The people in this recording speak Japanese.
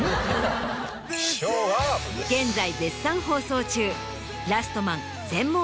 現在絶賛放送中。